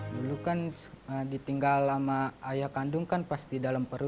dulu kan ditinggal sama ayah kandung kan pas di dalam perut